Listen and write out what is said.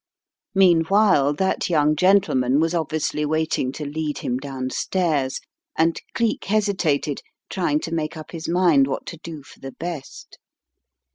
Meanwhile that young gentleman was obviously waiting to lead him downstairs, and Cleek hesitated, trying to make up his mind what to do for the best.